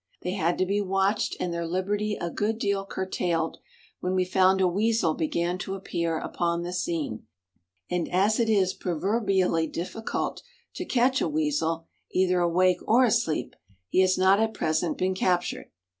They had to be watched and their liberty a good deal curtailed when we found a weasel began to appear upon the scene, and as it is proverbially difficult to catch a weasel either awake or asleep, he has not at present been captured.